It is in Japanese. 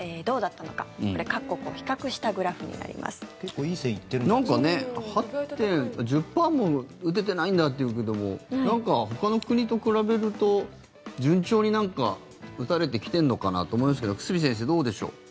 なんかね、１０％も打ててないんだっていうけどもほかの国と比べると順調に打たれてきてるのかなと思いますけど久住先生、どうでしょう。